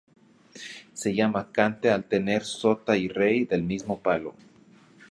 Se llama cante al tener sota y rey del mismo palo.